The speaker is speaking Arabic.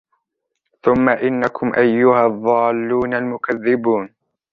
ثُمَّ إِنَّكُمْ أَيُّهَا الضَّالُّونَ الْمُكَذِّبُونَ